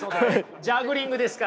ジャグリングですからね。